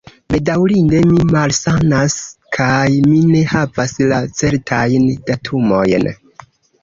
Bedaŭrinde mi malsanas, kaj mi ne havas la certajn datumojn.